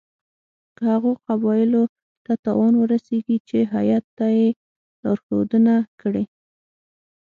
که هغو قبایلو ته تاوان ورسیږي چې هیات ته یې لارښودنه کړې.